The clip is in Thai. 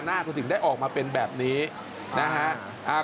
หน้าก็ถึงได้ออกมาเป็นแบบนี้นะฮะ